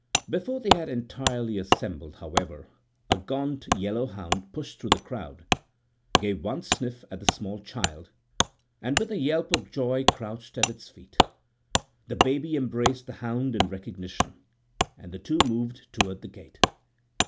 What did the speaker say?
Before they had entirely assembled, however, a gaunt yellow hound pushed through the crowd, gave one sniff at the small child, and with a yelp of joy crouched at its feet. The baby embraced the hound in recognition, and the two moved toward the gate.